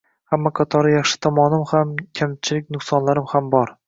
Hamma qatori yaxshi tomonim ham, nuqson-kamchiliklarim ham bor.